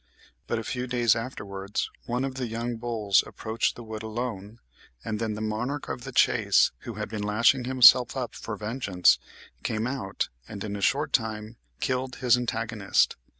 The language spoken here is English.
But a few days afterwards one of the young bulls approached the wood alone; and then the "monarch of the chase," who had been lashing himself up for vengeance, came out and, in a short time, killed his antagonist.